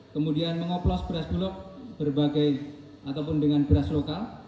kemudian mengoplos beras bulog berbagai ataupun dengan beras lokal